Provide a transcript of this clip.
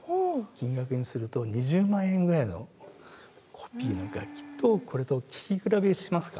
金額にすると２０万円ぐらいのコピーの楽器とこれと聴き比べしますか？